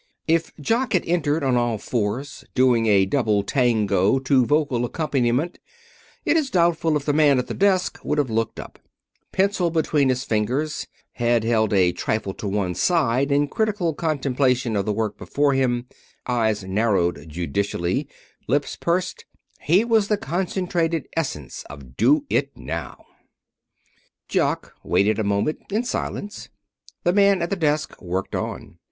If Jock had entered on all fours, doing a double tango to vocal accompaniment, it is doubtful if the man at the desk would have looked up. Pencil between his fingers, head held a trifle to one side in critical contemplation of the work before him, eyes narrowed judicially, lips pursed, he was the concentrated essence of do it now. [Illustration: "He was the concentrated essence of do it now"] Jock waited a moment, in silence. The man at the desk worked on.